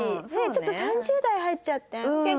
ちょっと３０代入っちゃって「結婚するよね？」